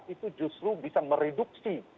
itu justru bisa mereduksi